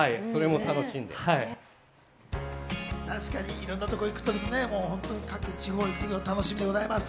いろんなとこ行くと各地方へ行く時の楽しみでございます。